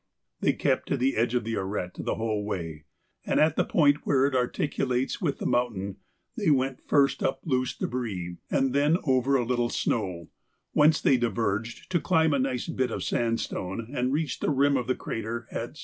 They kept to the edge of the arête the whole way, and at the point where it articulates with the mountain they went first up loose débris, and then over a little snow, whence they diverged to climb a nice bit of sandstone, and reached the rim of the crater at 7.